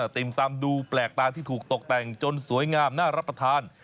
ติ่มซำดูแปลกตาที่ถูกตกแต่งจนสวยงามน่ารับประทาน